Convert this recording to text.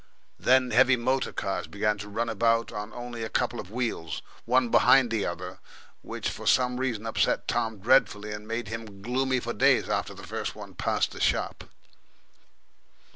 Then heavy motor cars began to run about on only a couple of wheels, one behind the other, which for some reason upset Tom dreadfully, and made him gloomy for days after the first one passed the shop...